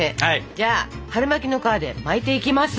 じゃあ春巻きの皮で巻いていきます。